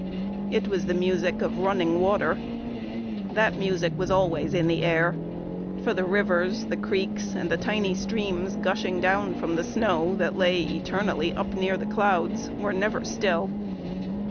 It was the music of running water. That music was always in the air, for the rivers, the creeks, and the tiny streams gushing down from the snow that lay eternally up near the clouds were never still.